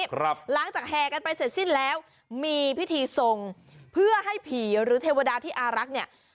หลังจากแห่กันไปเสร็จสิ้นแล้วมีพิธีทรงเพื่อให้ผีหรือเทวดาที่อารักษ์เนี่ย